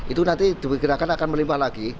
itu nanti diperkirakan akan melimpah lagi